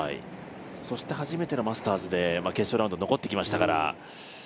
そして初めてのマスターズで決勝ラウンドに残ってきましたから。